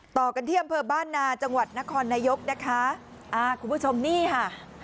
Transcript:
ต่อกันที่อำเภอบ้านนาจังหวัดนครนายกนะคะอ่าคุณผู้ชมนี่ค่ะ